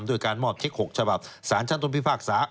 โดยการมอบเครกษ์๖ฉบับสรรทรรพิภาคศา